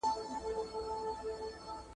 د مطالعې دا امتزاج ما تر اوسه ساتلی دی.